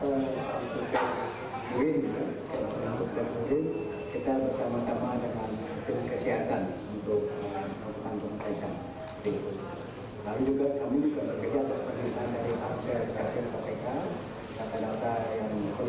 lalu juga kami juga bekerja bersama sama dengan tansel keputusan kpk